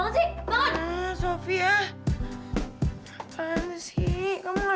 sampai jumpa di video selanjutnya